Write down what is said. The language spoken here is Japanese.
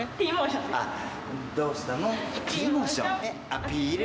アピール。